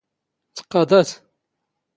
ⵜⵇⵇⴰⴹⴰⵜ?